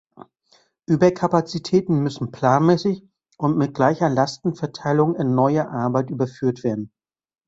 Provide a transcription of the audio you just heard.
Überkapazitäten müssen planmäßig und mit gleicher Lastenverteilung in neue Arbeit überführt werden.